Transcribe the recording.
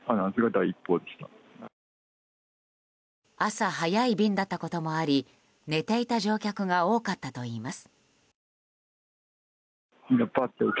朝早い便だったこともあり寝ていた乗客が多かったといいます。